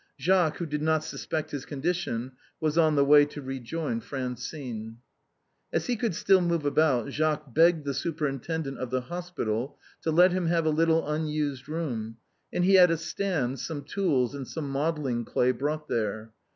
Jacques, who did not suspect his condition, was on the way to rejoin Fran cine. He was admitted into the Saint Louis hospital. As he could still move about, Jacques begged the super intendent of the hospital to let him have a little unused room, and he had a stand, some tools, and some modelling clay brought there.